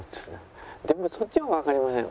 でもそっちはわかりません。